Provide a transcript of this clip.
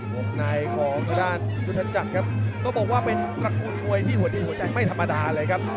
วงในของด้านยุทธจักรครับก็บอกว่าเป็นลักษณ์มวยที่หัวดินหัวใจไม่ธรรมดาเลยครับ